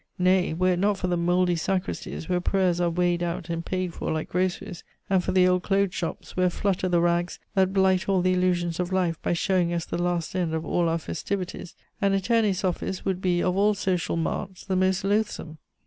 Nay, were it not for the mouldy sacristies where prayers are weighed out and paid for like groceries, and for the old clothes shops, where flutter the rags that blight all the illusions of life by showing us the last end of all our festivities an attorney's office would be, of all social marts, the most loathsome.